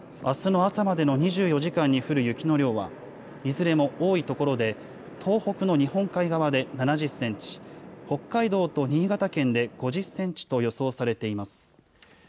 あすの朝までの２４時間に降る雪の量は、いずれも多い所で、東北の日本海側で７０センチ、北海道と新潟県で５０センチと予想されています。